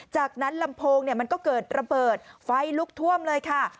จากนั้นลำโพงมันก็เกิดระเบิดไฟลุกท่วมเลยค่ะ